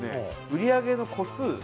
売り上げの個数